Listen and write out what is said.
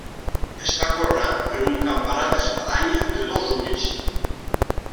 Està coronat per un campanar d'espadanya de dos ulls.